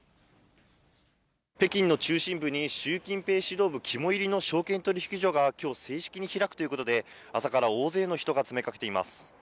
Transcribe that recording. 北京の中心部に習近平指導部肝煎りの証券取引所がきょう、正式に開くということで、朝から大勢の人が詰めかけています。